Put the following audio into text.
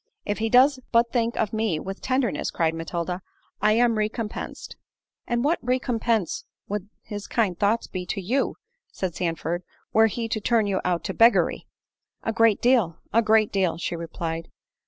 "If he does but think of me with tenderness," cried Matilda, "I am recompensed." "And what recompense would his kind thoughts be to you," said Sandford, "were he to turn you out to beggary?" "A great deal—a great deal," she replied.